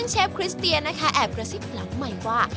เชฟคริสเตียนนะคะแอบกระซิบหลังใหม่ว่า